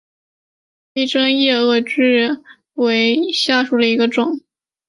披针叶萼距花为千屈菜科萼距花属下的一个种。